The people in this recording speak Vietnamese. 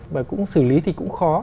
và cũng xử lý thì cũng khó